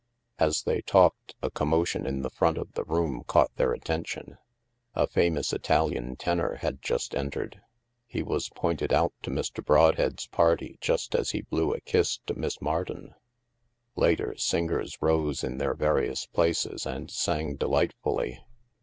' As they talked, a commotion in the front of the room caught their attention. A famous Italian tenor had just entered. He was pointed out to Brodhead's party just as he blew a kiss to Miss Mardon. Later, singers rose in their various places and sang delightfully.